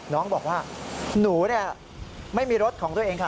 น้องบอกว่าหนูไม่มีรถของตัวเองค่ะ